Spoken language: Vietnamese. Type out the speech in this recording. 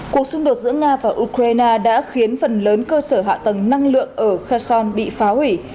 cuộc xung đột giữa nga và ukraine đã khiến phần lớn cơ sở hạ tầng năng lượng ở khason bị phá hủy